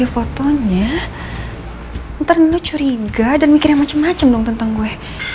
ini fotonya ntar nenek curiga dan mikir yang macem macem dong tentang gue